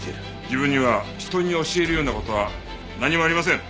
自分には人に教えるような事は何もありません。